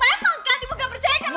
memang kan ibu ga percaya kan